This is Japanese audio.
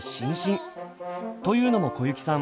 というのも小雪さん